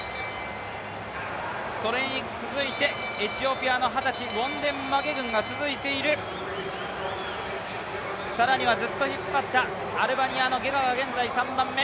それに続いてエチオピアの二十歳、ウォンデンマゲグンが続いているさらにはずっと引っ張ったアルバニアのゲガが現在３番目。